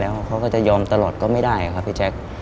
แล้วเขาก็จะยอมตลอดก็ไม่ได้ครับพี่แจ๊ค